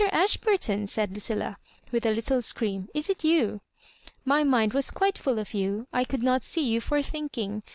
Ashburton I" said Lucilla, with a little scream, " is it you ? My mind was quite full of you. I could not see you for thinking.